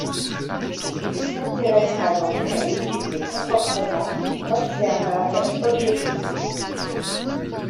Il s'intéressera donc à l'étude des comportements, observables objectivement.